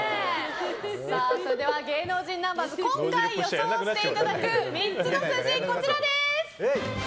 それでは芸能人ナンバーズ今回予想していただく３つの数字、こちらです。